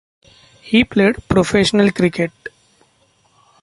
He played professional cricket.